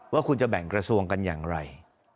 ว่าคุณจะแบ่งกระทรวงกันอย่างไร